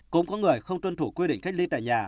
cũng có người không tuân thủ quy định cách ly tại nhà